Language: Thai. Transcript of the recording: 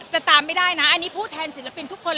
ตามไม่ได้นะอันนี้พูดแทนศิลปินทุกคนเลย